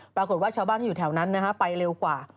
ปรากฏว่าชาวบ้านที่อยู่แถวนั้นนะฮะไปเร็วกว่า